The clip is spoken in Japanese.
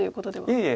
いえいえ。